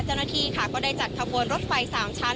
เจ้าหน้าที่ค่ะก็ได้จัดขบวนรถไฟ๓ชั้น